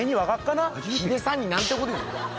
ヒデさんに何てこと言うんだ。